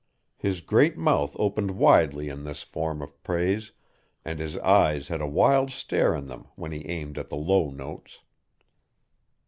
His great mouth opened widely in this form of praise and his eyes had a wild stare in them when he aimed at the low notes.